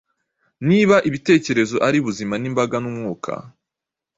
Niba ibitekerezo ari ubuzima Nimbaraga n'umwuka